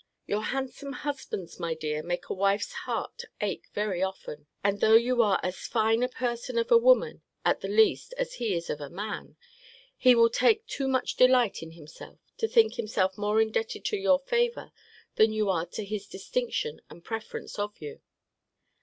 Your handsome husbands, my dear, make a wife's heart ache very often: and though you are as fine a person of a woman, at the least, as he is of a man, he will take too much delight in himself to think himself more indebted to your favour, than you are to his distinction and preference of you.